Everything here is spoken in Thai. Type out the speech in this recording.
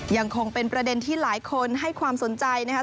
ยังคงเป็นประเด็นที่หลายคนให้ความสนใจนะครับ